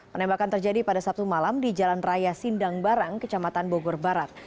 penembakan terjadi pada sabtu malam di jalan raya sindang barang kecamatan bogor barat